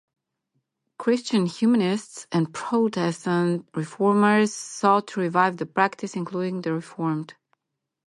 Christian humanists and Protestant Reformers sought to revive the practice, including the Reformed.